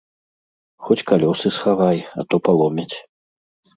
Хоць калёсы схавай, а то паломяць.